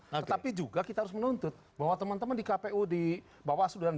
tetapi juga kita harus menuntut bahwa teman teman di kpu di bawaslu